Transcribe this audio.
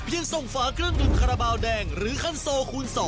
เพียงส่งฝากรุ่นดุลคาราบาลแดงหรือคันโซคูณ๒